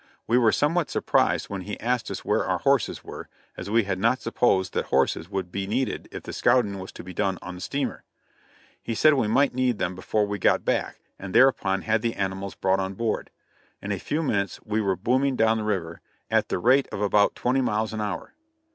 We were somewhat surprised when he asked us where our horses were, as we had not supposed that horses would be needed if the scouting was to be done on the steamer. He said we might need them before we got back, and thereupon we had the animals brought on board. In a few minutes we were booming down the river, at the rate of about twenty miles an hour.